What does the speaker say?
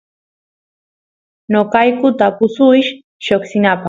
noqayku tapusuysh lloksinapaq